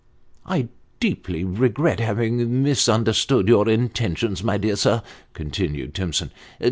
" I deeply regret having misunderstood your intentions, my dear sir," continued Timson.